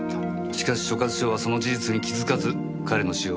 しかし所轄署はその事実に気づかず彼の死を病死と判断した。